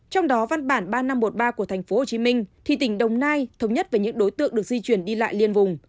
trong đó văn bản ba nghìn năm trăm một mươi ba của tp hcm thì tỉnh đồng nai thống nhất về những đối tượng được di chuyển đi lại liên vùng